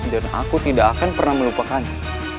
dan aku tidak akan pernah melupakannya